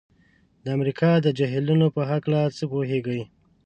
د امریکا د جهیلونو په هلکه څه پوهیږئ؟